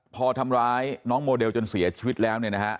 พอทำร้ายน้องโมเดลจนเสียชีวิตแล้วเนี่ยนะฮะ